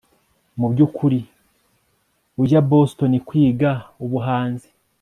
Mubyukuri ujya Boston kwiga ubuhanzi